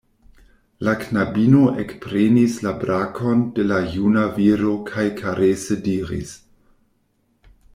La knabino ekprenis la brakon de la juna viro kaj karese diris: